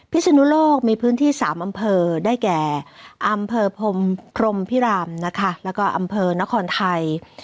พิศนุโลกมีพื้นที่๓อำเภอได้แก่อำเภอพรมพรมพิรามนะคะแล้วก็อำเภอนครไทย